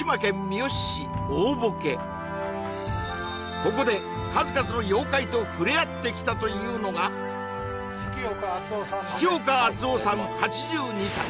ここで数々の妖怪と触れ合ってきたというのが月岡厚夫さん８２歳